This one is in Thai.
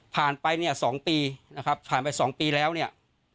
ไปเนี่ย๒ปีนะครับผ่านไป๒ปีแล้วเนี่ย